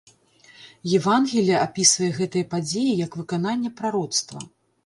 Евангелле апісвае гэтыя падзеі як выкананне прароцтва.